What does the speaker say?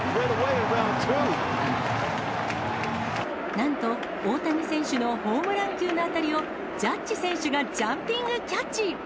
なんと、大谷選手のホームラン級の当たりを、ジャッジ選手がジャンピングキャッチ。